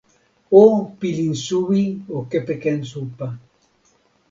o pilin suwi o kepeken supa.